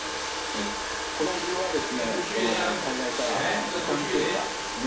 この図は災害からの時間経過ですね。